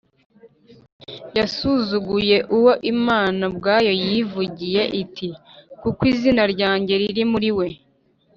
yasuzuguye uwo imana ubwayo yivugiye iti, “kuko izina ryanjye riri muri we